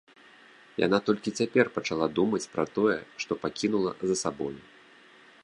Яна толькі цяпер пачала думаць пра тое, што пакінула за сабою.